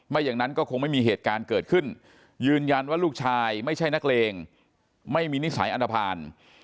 อย่างนั้นก็คงไม่มีเหตุการณ์เกิดขึ้นยืนยันว่าลูกชายไม่ใช่นักเลงไม่มีนิสัยอันตภัณฑ์